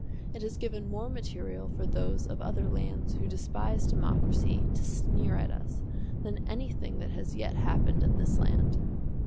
It has given more material for those of other lands who despise democracy to sneer at us than anything that has yet happened in this land.